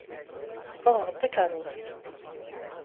Uɣeɣ-d takerrust.